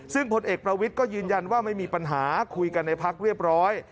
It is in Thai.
ซึ่งพลเอกประวิทย์ก็ยืนยันว่าไม่มีปัญหาคุยกันในพักเรียบร้อย